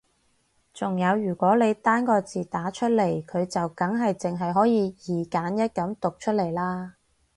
仲有如果你單個字打出嚟佢就梗係淨係可以二選一噉讀出嚟啦